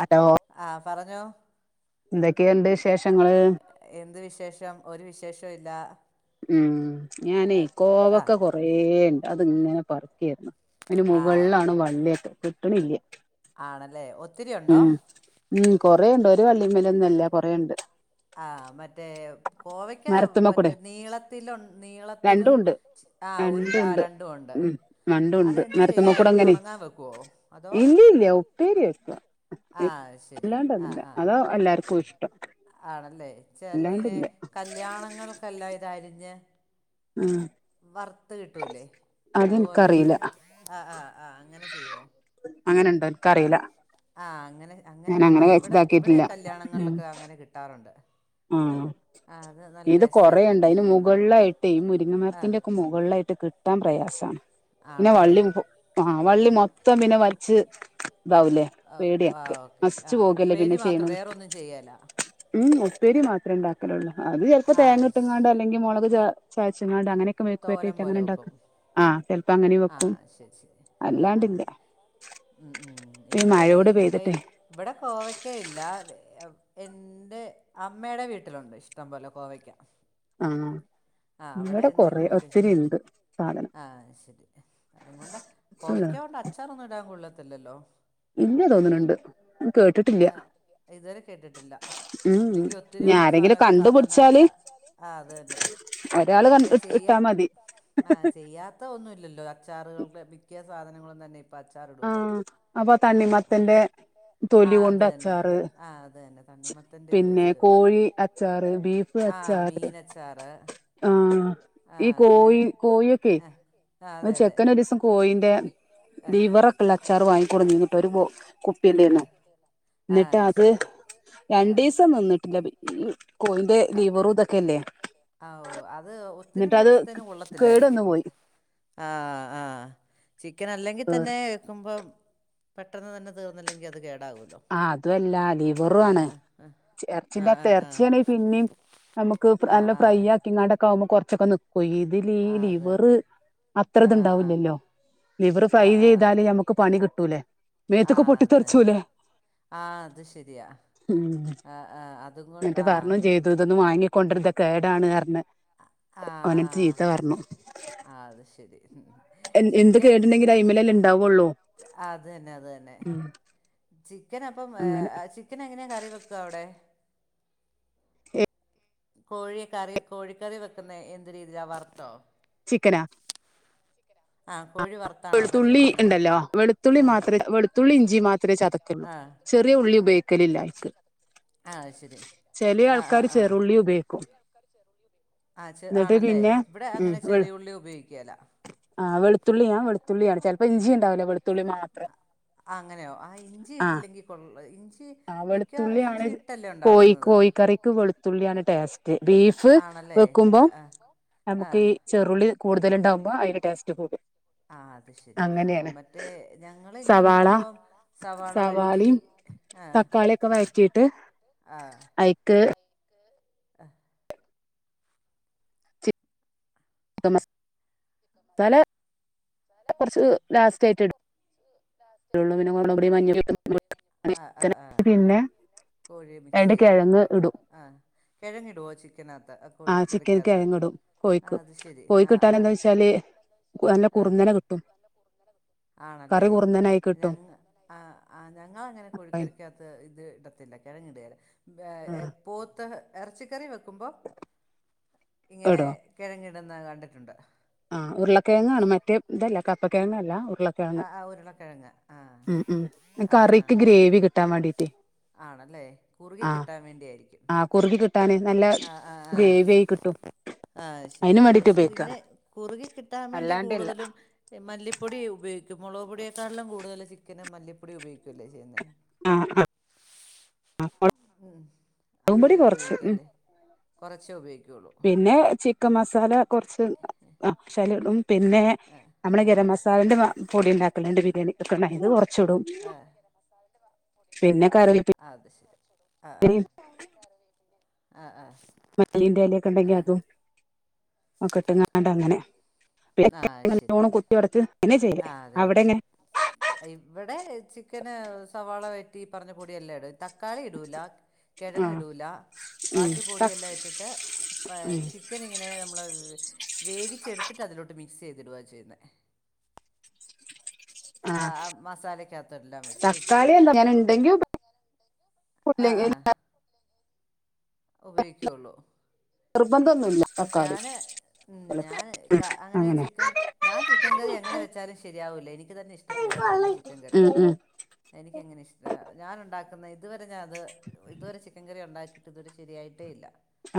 Hello ആഹ് പറഞ്ഞോ എന്തൊക്കെയുണ്ട് വിശേഷങ്ങള് എന്ത് വിശേഷം ഒരു വിശേഷവും ഇല്ല. ഉം ഞാനേ ആഹ് കോവൊക്കെകൊറേ ണ്ട് അത് ഇങ്ങനെ പറിക്കായിരുന്നു. അയ്ന് ആഹ് മുകളിലാണ് വള്ളിയൊക്കെ കിട്ടണില്ല്യ. ആണല്ലേ ഒ ഉം ഉം കൊറേയുണ്ട് ഒര് വള്ളിമ്മലൊന്നുല്ല കൊറേയുണ്ട്. ആഹ് മറ്റേ കോവയ്ക്ക് മരത്തുമ്മക്കൂടെ മറ്റേ നീളത്തിലു നീളത്തിലും രണ്ടുണ്ട് ആഹ് ഊരുണ്ട ആഹ് രണ്ടുണ്ട് രണ്ടും ഒണ്ട് ഉം രണ്ടുണ്ട് അതെന്ത് ചെയ്യും മരത്തുമ്മക്കൂടെ അരിഞ്ഞ് അങ്ങനെ ഒണങ്ങാൻ വെക്കുവോ അതോ ഉപ്പേരിയാ വെക്കാ. ആഹ് അത് ശെരി ആഹ് ആഹ് അതാ എല്ലാർക്കും ഇഷ്ടം. ആണല്ലേ ചെലയിനെ അല്ലാണ്ടില്ല കല്യാണങ്ങൾക്കെല്ലാം ഇതരിഞ്ഞ് ആഹ് വർത്ത് കിട്ടൂല്ലേ അതുപോലെ അതെനിക്കറിയില്ല ആഹ് ആഹ് ആഹ് അങ്ങനെ ചെയ്യോ? അങ്ങനെ ഇണ്ടാക്കാൻ എൻക്കറിയിലാ. ആഹ് അങ്ങനെ അങ്ങനെ ഞാൻ കിട്ടാ ഇവിടെ ഇവിടെ കഴിച്ചിതാക്കിയിട്ടില്ല ഉം കല്യാണങ്ങളിലൊക്കെ അങ്ങനെ കിട്ടാറുണ്ട്. ആഹ് ആ അത് നല്ല ഇത് ടേസ്റ്റ് ആയിരിക്കും കൊറേയിണ്ട് അയ്ന് മുകളായിട്ടേ ഈ ആ മുരിങ്ങമരത്തിന്റെ ഒക്കെ മോ ളിലായിട്ട് കിട്ടാ പ്രയാസാ. പിന്നെ ആണല്ലേ വള്ളി മൊ ആഹ് വള്ളി മൊത്തം പിന്നെ വലിച്ച് ഇതാവൂലേ ഓ പേടിയാ ആ ഓക്കെ ആ നശിച്ചു പോകല്ലേ ഉപ്പേരി പിന്നെ മാത്രം ചെയ്യണത്. വേറൊന്നും ചെയ്യേല ഉം ഉപ്പേരി മാത്രേ ഇണ്ടാക്കലുള്ളൂ അത് ചെലപ്പോ ആ തേങ്ങ ശ്, ഇട്ടുങ്ങാണ്ട് അല്ലെങ്കി മൊളക് ച ചാച്ചങ്ങാണ്ട് അങ്ങനെ ക്കെ മെഴുക് തോരൻ പൊരട്ടിയായിട്ട് അങ്ങനെ പോലെ വെക്കും ഇണ്ടാക്കും ആഹ് ചെലപ്പോ അങ്ങനെയും ആ വെക്കും ശരി ശരി ആ ആ അല്ലാണ്ടില്ല. ഉം ഉം ഈ ഇവിടെ മഴയോടെ ഇവിടെ പെയ്തിട്ടേ ഇവിടെ കോവക്കയില്ല ഏ എന്റെ അമ്മേടെ വീട്ടിലുണ്ട് ഇഷ്ടം പോലെ കോവയ്ക്ക. ആഹ് ഇവടെ എന്തെങ്കിലൊക്കെ ആഹ് ശെരി അത്കൊണ്ടാ കോവയ്ക്കാ അച്ചാറൊന്നും ഇടാൻ കൊള്ളത്തില്ലല്ലോ? ഇല്ല തോന്നണുണ്ട് കേട്ടിട്ടില്ല ആഹ് ഇതുവരെ കേട്ടിട്ടില്ല. ഉം ഇല്ലെങ്കി ഒത്തിരി ഇനി ള്ള ആരെങ്കിലും സാനോക്കെ സാധാരണ അച്ച കണ്ടുപിടിച്ചാല് ആഹ് അതന്നെ. ഒരാള് കൺ ഇപ്പൊ ഇട്ട് ചെയ്യ ഇട്ടാ മതി ആഹ് ചെയ്യാ ത്ത ഒന്നുല്ലല്ലോ അച്ചാറുകൾ മിക്ക്യ സാധനങ്ങളും തന്നെ ഇപ് ആഹ് അപ്പൊ തണ്ണിമത്തന്റെ തൊലി കൊണ്ട് അച്ചാറ് ആഹ് അതന്നെ ത ച് പിന്നെ കോഴി അച്ചാറ് ബീഫ് ആ അച്ചാറ്. മീനച്ചാറ് ആഹ്.. ആ ഈ കോയി അങ്ങനെ കോയി ഒക്കെ ആ അതെ അതെ ചെക്കന് ഒരീസം ചെക്കനൊരീസം കോയീന്റെ കോയിന്റെ ആ ലിവറൊക്കെള്ള അച്ചാറ് വാങ്ങികൊട്നീനെ ഒരു ബോ കുപ്പിലേന്നു. ആഹ് ശെരി. രണ്ടീസം നിന്നിട്ടില്ല. [unintelligible] കോയിന്റെ ആഹ് ലിവറു തൊക്കെല്ലേ ലിവറുതൊക്കെല്ലേ ആഹ് ഓഹ് അത് ഒത്തിരി ന്ന്ട്ട് അത് ദിവസത്തേന് കേടന്നു കൊള്ളത്തില്ലായിരിക്കും പോയി. [inaudible] ആഹ് ആഹ് ചിക്കൻ അല്ലെങ്കി ആഹ് തന്നെ വെക്കുമ്പം പെട്ടെന്ന് തന്നെ തീർന്നില്ലെങ്കി അത് കേടാവോല്ലോ. ആഹ് അതുല്ല ലിവറു ആണ് ആഹ് എർച്ചിന്റാത് ആഹ് എർച്യാണെ പിന്നി നമക്ക് നല്ല ഫ്രൈ ആക്കി ങ്ങാണ്ടക്കെ ആവുമ്പോ കുറച്ചൊക്കെ ന്ക്കു ഈ ഇതില് ആഹ് ഈ ആഹ് ആഹ് ആഹ് ആഹ് ആഹ് അത് ലിവർ തന്നെ ആഹ് ആഹ് ആഹ് അത്രത്ണ്ടാവൂല്ലല്ലോ ലിവർ ഫ്രൈ ആഹ് ആഹ് ആഹ് ചെയ്താല് ഞമ ക് പണികിട്ടൂലേ മേത്തൊക്ക് ആഹ് അത് തന്നെ പൊട്ടിത്തെറിച്ചുലേ? ആഹ് അത് ശെരിയാ ഉം ആഹ് ആഹ് അതു കൊണ്ട് ആഹ് ത് തൊന്നും വാങ്ങിക്കൊണ്ട്ര് ത് കേടാണ് ർണ്. ആഹ് ഓനെ ചീത്ത ആഹ് പർണു ആ അത് ശരി എന് എന്ത് ചിക്കൻ കേട്ണ്ടെങ്കി കൈമലല്ലെ ണ്ടാവോള്ളൂ അത് തന്നെ അത് തന്നെ ചിക്കൻ അപ്പം ഏ അങ്ങനെ ചി ചിക്കൻ എങ്ങനെയ കറി വെക്കാ അവിടെ കോഴി കറി കോഴിക്കറി വെക്കുന്ന എന്ത് രീതിയിലാ വറ്ത്തോ ചിക്കനാ ആഹ് കോഴി വർ വെളുത്തുള്ളി ഇണ്ടല്ലോ വെളുത്തുള്ളി മാത്രേ വെളുത്തുള്ളി ഇഞ്ചി മാത്രേ ചതക്കുള്ളൂ ആ ചെറ് റിയ ഉള്ളി ഉപയോഗിക്കലില്ല അയിൽക്ക് ആ അത് ശരി ചെലീ ആ ആ ആൾക്കാര് ആ ചെറുള്ളി ഉപയോക്കും ആഹ് ചെ ആണല്ലേ ഇവിടെ അങ്ങനെ ചെറിയുള്ളി ഉപയുക്കേല ആഹ് വെളുത്തുള്ളി ഞാൻ വെളുത്തുള്ളിയാണ് ചെലപ്പം ഇഞ്ചി ഉണ്ടാവുലോ ആഹ് അങ്ങനെയോ ആ ഇഞ്ചി ആ ഇട്ടില്ലെങ്കി കൊള്ള ഇഞ്ചി ഞ്ചി ആ മിക്ക ഇഞ്ചി ഇട്ടല്ലേ ഉണ്ടാക്കുന്നത് ക്ക് വെളുത്തുള്ളിയാണ് ടേസ്റ്റ് ബീഫ് ആണല്ലേ ആ വെക്കുമ്പം ആ നമുക്ക് ഈ ആ ചെറുള്ളി കൂടുതലിണ്ടാവുമ്പോ അയിന് ടേസ്റ്റ് കൂടും ആഹ് അത് ശെരി അങ്ങനെയാണ് മറ്റേ ഞങ്ങള് ഇങ്ങനെ സവാള വെക്കുമ്പം സവാള വയ്റ്റി സവാളയും തക്കാളിയൊക്കെ വഴറ്റീട്ട് അയ്ക്ക് ആഹ് മസ് സാല കൊറച്ച് ലാസ്റ്റ് ആയിട്ട് ഇടും [inaudible] [inaudible] ആ ആ ആ പിന്നെ രണ്ട് കെഴങ്ങ് ഇടും ആഹ് കെഴങ്ങിടുവോ ചിക്കനാത്ത് അത് ആഹ് ചിക്കന് കെഴങ്ങിടും കോഴിക്ക് ശരി ആ ആ കോഴക്കിട്ടാന എന്താ വെച്ചാല് നല്ല ആ കുറുന്നന കിട്ടും ആണല്ലേ കറി കുറുന്നനായി കിട്ടും ഞങ്ങ് ആഹ് ആഹ് ഞങ്ങളങ്ങനെ അപ്പ കോഴിക്കറിക്കാ ത്ത് ഇത് ഇടത്തില്ല കെഴങ്ങ് ഇടുകേല ആ ഏ പോത്ത് എറച്ചിക്കറി വെ ക്കുമ്പം ഇങ്ങനെ ഇടോ കെഴങ്ങിടുന്ന കണ്ടിട്ടുണ്ട് ആഹ് ഉരുളക്കെയങ്ങാണ് മറ്റേ ഇതല്ല കപ്പക്കെഴങ്ങല്ല ഉരുള ആ കെഴങ്ങ് ആ ഉരുളക്കിഴങ്ങ് ആ ഉം ഉം ആ ആ കറിക്ക് ഗ്രേവി കിട്ടാൻ വേണ്ടീട്ടേ ആണല്ലേ കുറുകി കിട്ടാൻ വേണ്ടിയായിരിക്കും ആഹ് കുറുകി കിട്ടാന് നല്ല ആഹ് ആഹ് ഗ്രേവിയായി കിട്ടും ആഹ് ആഹ് ശെരി അതിന് വേണ്ടിട്ട് പക്ഷെ അതിങ്ങനെ ഉപയോഗിക്കാണ് കുറുകി കിട്ടാൻ വേണ്ടി അല്ലാണ്ടല്ല കൂടുതലും മല്ലിപ്പൊടി ഉപയോഗിക്കും മൊളക് പൊടിയെക്കാട്ട്ലും കൂടുതല് ചിക്കന് മല്ലിപ്പൊടി ഉപയോഗിക്കുവല്ലേ ചെയ്യുന്നേ ആഹ് ആഹ് ആഹ് മൊള ഉം അങ്ങനെ ഉപയോഗിക്കും അല്ലേ കൊറച്ചെ ഉപയോഗിക്കു പിന്നെ ചിക്കൻ മസാല കൊറച്ച് ആഹ് ശകലം ഇടും പിന്നെ ആഹ് നമ്മള് ആഹ് ഗരം മസാലെൻ്റെ മ പൊടി ഉണ്ടാക്കലുണ്ട് ബിരിയാണി കൊറച്ചിടും പിന്നെ കറിവേപ്പി അത് ശെരി ആഹ് ആഹ് ആഹ് ആഹ് മല്ലിന്റെ എലേക്കെ ഉണ്ടെങ്കി അതും ഒക്കെ ഇട്ട്ങ്ങാണ്ട് അങ്ങനെ ആഹ് പിന്നെ ആഹ് ശരി നല്ലോണം കുത്തി ഒടച്ച് അങ്ങനെ ചെയ്യല് ആഹ് അതെ അതെ അവിടെങ്ങ ഇവിടെ ചിക്കന് സവാള വയറ്റി പറഞ്ഞ പൊടി എല്ലാം ഇടും തക്കാളി ഇടൂല കെഴങ്ങ് ആഹ് ഇടൂല ഉം ബാക്കി പൊടിയെല്ലാം ഇട്ടിട്ട് ഉം കൊയച്ചി ചിക്കൻ ഇങ്ങനെ നമ്മള് വേഗിച്ചെടുത്തിട്ട് അതിലോട്ട് മിക്സെയ്തിടുവ ചെയ്യുന്നെ ആ ആഹ് മസാലയ്ക്കകത്തെല്ലാം വെച്ച് ഇട്ട് തക്കാളി എന്താ ഞാൻ ഉണ്ടെങ്കി ഉപ ആ [inaudible] ഉപയോക്കള്ളൂ നിർബന്ധൊന്നുംല്ല ഞാന് ഉം ഞാൻ ക അങ്ങനെ ചിക്കൻ ഞാൻ ചിക്കൻ കറി എങ്ങനെ വെച്ചാലും ശരിയാവൂല്ല എനിക്ക് തന്നെ ഇഷ്ടപെടുകേല എന്റെ ചിക്കൻ കറി ഉം ഉം എനക്കങ്ങനെ ഇഷ്ട ഞാന ഉണ്ടാക്കുന്ന ഇതുവരെ ഞാൻ അത് ഇതുവരെ ചിക്കൻ കറി ഉണ്ടാക്കിയിട്ട് ഇതുവരെ ശരിയായിട്ടേ ഇല്ല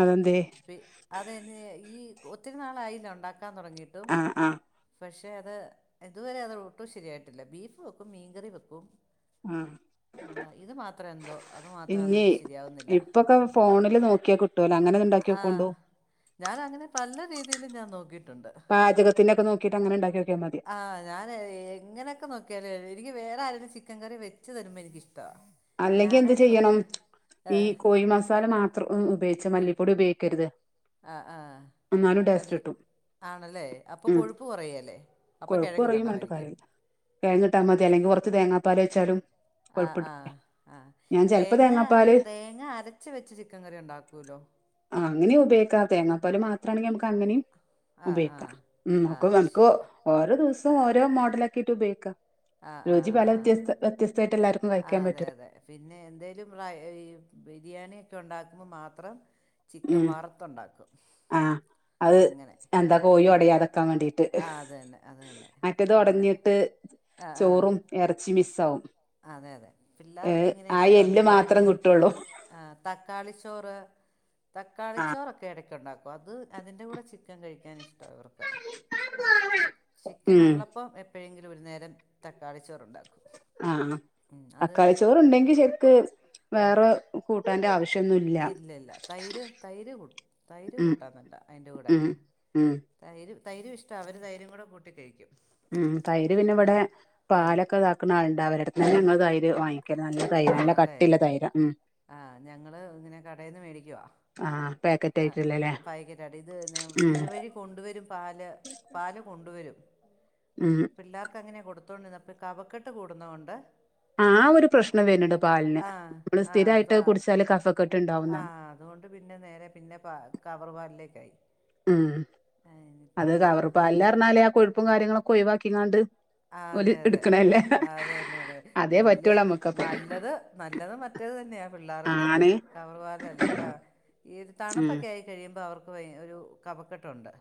അതെന്തേ അതെ ഈ ഒത്തിരി നാളായില്ല ഉണ്ടാക്കാൻ തുടങ്ങിട്ടും ആഹ് ആഹ് പക്ഷെ അത് ഇതുവരെ അത് ഒട്ടും ശരിയായിട്ടില്ല ബീഫ് വെക്കും മീൻകറി വെക്കും ഉം ഉം, ഇത് മാത്രം എന്തോ അത് മാത്രം ഇന്നേ അങ്ങ് ശരിയാവുന്നില്ല ഇപ്പൊക്കെ ഫോണില് നോക്കിയാ കുട്ടി കട്ടല അങ്ങനെണ്ടാക്കി ആ നോക്കോണ്ടോ ഞാൻ അങ്ങനെ പല രീതിയിലും ഞാൻ നോക്കിയിട്ടുണ്ട് പാജകത്തിൻ്റെക്കെ നൊക്കിട്ട്ങ്ങനെ ണ്ടാക്കിയൊക്ക്യ മതി ആഹ് ഞാൻ എങ്ങനെയൊക്കെ നോക്കിയാലേ എനിക്ക് വേറെ ആരെങ്കിലും ചിക്കൻ കറി വെച്ചു തരുമ്പോ എനിക്കിഷ്ട അല്ലെങ്കി എന്ത് ചെയ്യണം ഈ കോഴി മസാല മാത്രം ഉപയോഗിച്ച മല്ലിപ്പൊടി ഉപയോഗിക്കരുത് ആഹ് ആഹ് എന്നാലും ടേസ്റ്റ് മല്ലി കിട്ടും ആണല്ലേ അപ്പോ ഉം കൊഴുപ്പ് കുറയല്ലേ അപ്പോൾ കിഴങ്ങി ഇടണമായിരിക്കും കെഴങ്ങിട്ടാൽ മതി അല്ലെങ്ക കുറച്ച് തേങ്ങാപ്പാലോയ്ച്ചാലും ആഹ് ആഹ് ആഹ് തേങ്ങ തേങ്ങാപ്പാല് തേങ്ങ അരച്ച വെച്ച് ചിക്കൻ കറി ഉണ്ടാക്കൂലോ ആഹ് അങ്ങനെ ഉപയോക്ക തേങ്ങാപ്പല മാത്രണെങ്കിൽ നമുക്കങ്ങനെയും ആഹ് ഉപയോഗിക്കാം ആഹ് ഉം നക്ക ആഹ് നമുക്ക് ശരി ഓരോ ദിവസം ഓരോ മോഡലാക്കിട്ട് ഉപയോഗിക്കാം ആഹ് ആഹ് ആഹ് ആഹ് വ്യതസ്ഥായിട്ടെല്ലാരും അതെ അതെ പിന്നെ എന്തേലും റയ് ബിരിയാണിയൊക്കെ ഉണ്ടാക്കുമ്പോൾ മാത്രം ചിക്കൻ ഉം വറുത്തുണ്ടാക്കും ആ അത് അങ്ങനെ എന്താ ആഹ് കോഴി ഒടയാതെക്കാൻ വേണ്ടിട്ട് ആഹ് അത്തന്നെ അത് തന്നെ മറ്റേത് അങ്ങനെ ആഹ് ആഹ് എറച്ചി മിസ്സാവും അതെ അതെ ഏ പിള്ളാർക്ക് ഇങ്ങനെ ആ ഇഷ്ടാ എല്ല് ബിരിയാണി മാത്രം കിട്ടുള്ളൂ ആഹ് തക്കാളി ചോറ് തക്കാളി ആ ചോറൊ ക്കെ ഇടക്കൊണ്ടാക്കും അത് അതിൻ്റെ കൂടെ ചിക്കൻ കഴിക്കാൻ ഇഷ്ടവാ ഇവർക്ക് [unintelligible] ഉം ചിക്കനൊള്ളപ്പം എപ്പഴെങ്കിലും ഒരു നേരം തക്കാളി ചോറുണ്ടാക്കും ആഹ് തക്കാളിച്ചോറുണ്ടെങ്കി ശരിക്ക് വേറെ കൂട്ടാന്റെ ആവശ്യോന്നുവില്ല ഇല്ലില്ല തൈര് തൈര് കൂ തൈര് ഉം കൂട്ടാമെന്നുണ്ട് അതിൻ്റെ കൂടെ ഉം ഉം തൈര് തൈര് ഇഷ്ടവാ അവര് തൈരും കൂടെ കൂട്ടി കഴിക്കും ഉം തൈര് പിന്നെ ഇവിടെ പാലൊക്കെ ഇതാക്കുന്ന ആളുണ്ട് അവര്ടെത്തു നിന്ന് ഞങ്ങള് തൈര് വാങ്ങി ക്കാണേ നല്ല തൈരാണ് നല്ല കട്ടിയിള്ള തൈരാ ഉം ഞങ്ങള് ഇങ്ങനെ കടേന്ന് മേടി ആഹ് പാക്കറ്റ് ആയിട്ടുള്ളല്ലേ ആഹ് പായ്ക്കറ്റായിട്ട് ഇത് ഉം ഇത് വഴി കൊണ്ട് വരും പാല് പാല് കൊണ്ട് വരും ഉം പിള്ളേർക്കങ്ങനെയാ കൊടുത്തോണ്ടിരുന്നെ കവക്കെട്ട് കൂടുന്നോണ്ട് ആ ഒരു പ്രശ്നം വരുന്നുണ്ട് പാലിന് ആഹ് നമ്മള് ആഹ് സ്ഥിരായിട്ട് താ കുടിച്ചാല് കഫക്കെട്ട് ഉണ്ടാവുന്നാണ് ആഹ് അതുകൊണ്ട് പിന്നെ നേരെ പിന്നെ പ കവറ് പാലിലേക്കായി ഉം ഇനിയിപ്പം അത് അതും കവർപ്പാലിലറിഞ്ഞാലേ ആ കൊഴുപ്പും കാര്യങ്ങളൊക്കെ ഒഴിവാക്കിങ്ങാണ്ട് ആഹ് ഓല് അതെ അതെ എടുക്കണല്ലേ അതെന്നെ അതേ വല്യെ പറ്റുള്ളൂ നമ്മുക്കപ്പം നല്ലത് നല്ലത് മറ്റേത് തന്നെയാ പിള്ളേർക്ക് ആണ് കവർപാലല്ല ഏത് ഉം തണുപ്പൊക്കെ ആയി കഴിയുമ്പോ അവർക്ക് വയ് ഒരു കവക്കെട്ടുണ്ട്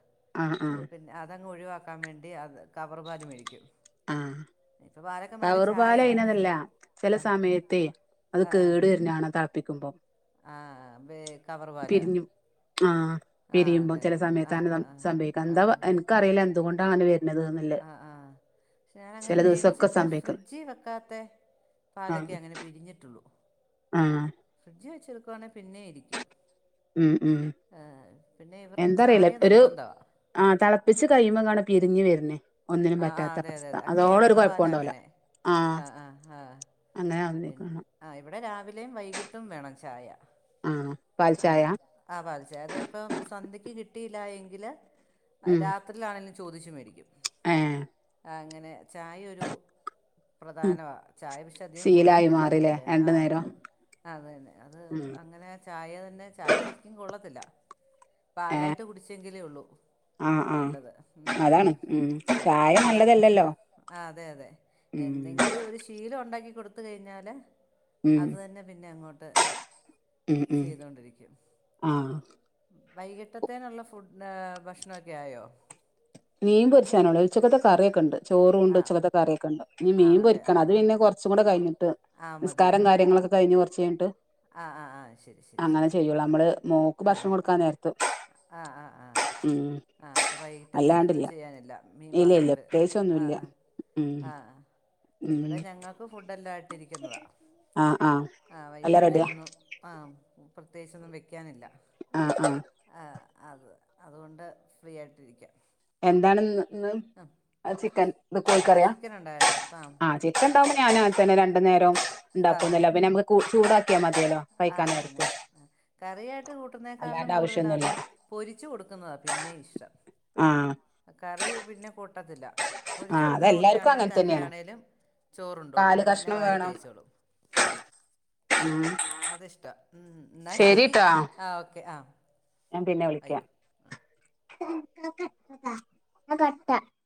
ആഹ് ആഹ് പിന്നെ അതങ്ങ് ഒഴിവാക്കാൻ വേണ്ടി അത് കവറ് പാലു മേടിക്കും ആഹ് ഇപ്പൊ പാലൊക്കെ മാറി കവറുപാല് ചായ അയിനതല്ല ചെല സമയത്തേ അത് കേട് വരുന്നാണ് ക പ്പിക്കുമ്പോം. ആഹ് വേ കവറ് പാല് ആഹ് ആ പിരിയുമ്പോം അതെ ചില അതെ ആ സമയത്താണ് ആ ആ സംഭവിക്കുക, എന്താ എനിക്കറിയില്ല എന്തുകൊണ്ടാ അങ്ങനെ വെ ആഹ് ആഹ് ക്ഷേ ഞാനങ്ങനെ ചെല ദിവസൊക്കെ മേടിച്ചിട്ട്, സംഭവിക്കും ഫ്രിഡ്ജി വെക്കാത്ത പാലൊക്കെ ആഹ് അങ്ങനെ പിരിഞ്ഞിട്ടുള്ളൂ. ആഹ് ഫ്രിഡ്ജി വെച്ചെക്കുവാണെ പിന്നേയിരിക്കും. ഉം ഉം ആഹ് പിന്നെ ഇവർക്ക് എന്താറിയില്ല ചായ ഒരു നിർബന്ധവാ ആഹ് തിളപ്പിച്ച് കയിയുമ്പോ ങ്ങാണ് പിരിഞ്ഞു വരുന്നേ ഒന്നിനും ആ ആ പറ്റാത്ത അതെ അതെ അവസ്ഥ അതെ ആ അതോടെ ഒരു കേടുള്ള പാലാണ് കൊഴപ്പവുണ്ടാവില്ല. അങ്ങനെ ആ ആഹ് അങ്ങനെ അവുന്നേ കാണാ ആഹ് ഇവിടെ രാവിലെയും വൈകിട്ടും വേണം ചായ. ആഹ് പാൽ ചായ. ആഹ് പാൽച്ചായാ അത് ഇപ്പം സന്ധ്യക്ക് കിട്ടിയില്ലാ എങ്കില് ഉം രാ ത്രിലാണെങ്കിലും ചോദിച്ചു മേടിക്കും. ഏഹ് അങ്ങനെ ചായ ഒരു പ്രധാനവാ ചായ പക്ഷെ അധികം. ശീലായി കൊള്ളത്തില്ല മാറില്ലേ കുടിക്കാന് രണ്ടു ആഹ് നേരം അതന്നെ അത് ഉം അങ്ങനെ ചായ തന്നെ ചായ ശരിക്കും കൊള്ളത്തില്ല. ഏഹ് പാലായിട്ട് കുടിച്ചെങ്കിലേ ഉള്ളൂ. ആഹ് ആഹ് നല്ലത് ഉം ഉം അതാണ് ചായ പിന്നെ നല്ലതല്ലല്ലോ ആഹ് അതെ അതെ ഉം എന്തെങ്കിലും ഒരു ശ് ശീലം ഒണ്ടെങ്കി കൊടുത്ത് കഴിഞ്ഞാല് ഉം അതു തന്നെ പിന്നെ അങ്ങോട്ട്. ഉം ഉം ചെയ്തോണ്ടിരിക്കും. ആ വൈകിട്ടത്തേനുള്ള ഫു ഏഹ് ഭക്ഷണൊക്കെ ആയോ? മീൻ പൊരിശാനുള്ളേ ഉച്ചക്കത്തെ കറിയൊക്കെണ്ട് ചോറുംണ്ട് ആ ഉച്ചക്കത്തെ കറിയൊക്കെ ഉണ്ട്. ഇനി മീൻ ആണല്ലേ ആ പൊരിക്കണം അത് ആ പിന്നെ കുറ കുറച്ച് കൂടെ കഴിഞ്ഞിട്ട്, ആ നിസ്കാരം മതിയല്ലോ കാര്യങ്ങളൊക്കെ കഴിഞ്ഞ് കുറച്ച് കഴിഞ്ഞിട്ട്. ആ ആ ആ ശരി ശരി അങ്ങനെ ശരി ചെയ്യൂള്ളൂ. നമ്മള് മോക്ക് ഭക്ഷണം കൊടുക്കാൻ നേരത്ത് ആഹ് ആഹ് ആഹ് ഉം ആ അപ്പൊ വൈകിട്ടത്തേന ഒന്നും അല്ലാണ്ടില്ല ചെയ്യാനില്ല മീൻ ഇല്ല മാത്രം ഇല്ല ത് ആ പ്രത്യേകിച്ചൊന്നുല്ല ആ ഉം ആ ആ ഉം ഇവിടെ ഞങ്ങ ക്ക് ഫുഡ് എല്ലാം ഇട്ടിരിക്കുന്നതാ ആ വൈ എല്ലാം റെഡിയാ ആ പ്രത്യേകിച്ചൊന്നും വെക്കാനില്ല. ആഹ് ആഹ് ആ അത് അതുകൊണ്ട് ഫ്രീ ആയിട്ട് ഇരിക്കാം. എന്താണ്ന്ന്ന്ന് ആ ചിക്കൻ ത് ആ കോയിക്കറിയാ ചിക്കൻ ഉണ്ടായിരുന്നു ആ ചിക്കൻ ഉണ്ടാവുമ്പോ ഞാനും അങ്ങൻ തന്നെ രണ്ടു നേരം ഉണ്ടാക്കുന്നില്ല പിന്നെ നമുക്ക് ചൂട ആത് തന്നെ കറിയായിട്ട് അല്ലാണ്ട് കൂട്ടുന്നേക്കാളിലും കൂടുതല് ആവശ്യമൊന്നുമില്ല അത് പൊരിച്ചു കൊടുക്കുന്നതാ പിന്നെ ഇഷ്ടം. ആഹ് കറി പിന്നെ കൂട്ടത്തില്ല ആ പൊരിച്ച് കൊടുക്കുന്ന അതെല്ലാർക്കും കുട്ടിയാണെങ്കിൽ അങ്ങനെ തന്നെയാണ് തന്നെയാണേലും ചോറുണ്ടോളും കാല് തന്നെ കഷ്ണം വാരി വേണം കഴിച്ചോളും ഉം അതിഷ്ട്ടാ ഉം എന്നാ ശരി ശരിട്ടാ ആ ഓക്കെ ആ ഞാൻ പിന്നെ അയ്യോ വിളിക്കാം.